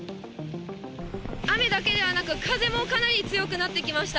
雨だけではなく、風もかなり強くなってきました。